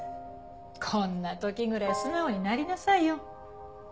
こんな時ぐらい素直になりなさいよ。